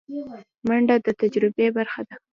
منډه د تجربې برخه ده